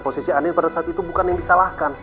posisi anies pada saat itu bukan yang disalahkan